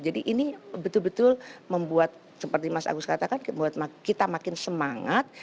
jadi ini betul betul membuat seperti mas agus katakan membuat kita makin semangat